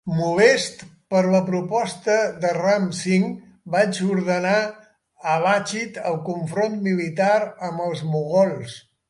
Molest per la proposta de Ram Singh, va ordenar a Lachit el confront militar amb els mogols.